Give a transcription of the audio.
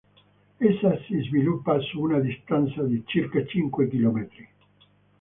Essa si sviluppa su una distanza di circa cinque chilometri.